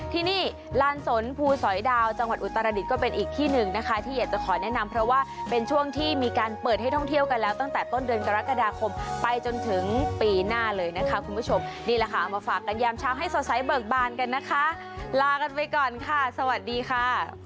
ที่นี่ลานสนภูสอยดาวจังหวัดอุตรดิษฐ์ก็เป็นอีกที่หนึ่งนะคะที่อยากจะขอแนะนำเพราะว่าเป็นช่วงที่มีการเปิดให้ท่องเที่ยวกันแล้วตั้งแต่ต้นเดือนกรกฎาคมไปจนถึงปีหน้าเลยนะคะคุณผู้ชมนี่แหละค่ะเอามาฝากกันยามเช้าให้สดใสเบิกบานกันนะคะลากันไปก่อนค่ะสวัสดีค่ะ